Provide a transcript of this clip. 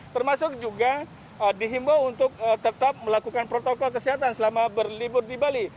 termasuk juga dihimbau untuk tetap melakukan protokol kesehatan selama berlibur di bali